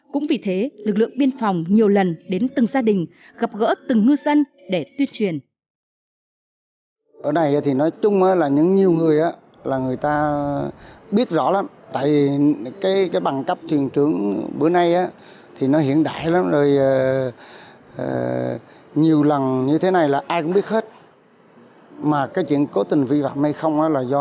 cũng vì thế lực lượng biên phòng nhiều lần đến từng gia đình gặp gỡ từng ngư dân để tuyên truyền